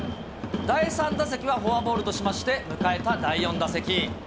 第３打席はフォアボールとしまして、迎えた第４打席。